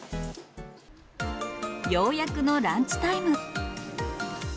ようやくのランチタイム。